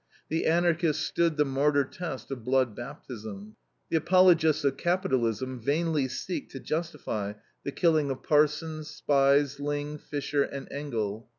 The Anarchists stood the martyr test of blood baptism. The apologists of capitalism vainly seek to justify the killing of Parsons, Spies, Lingg, Fischer, and Engel.